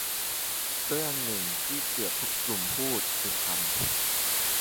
เรื่องนึงที่เกือบทุกกลุ่มพูดคือทำ